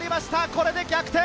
これで逆転！